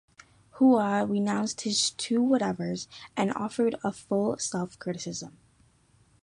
Hua renounced his "Two Whatevers" and offered a full self-criticism.